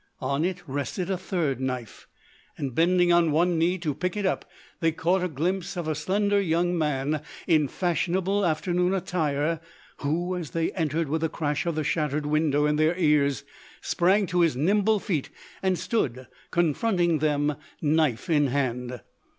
On it rested a third knife. And, bending on one knee to pick it up, they caught a glimpse of a slender young man in fashionable afternoon attire, who, as they entered with the crash of the shattered window in their ears, sprang to his nimble feet and stood confronting them, knife in hand.